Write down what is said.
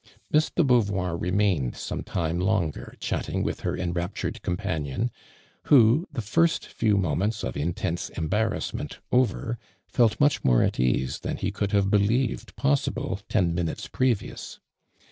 Miss do IJoauvoir remained some time longer chatliug with her enraptured com panion, who, the iirst few moments of in tense onibairassment over, felt much more It ease than he could have behoved possi l>Ie, ton minutes previous.